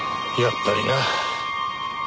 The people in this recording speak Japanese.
やっぱりな。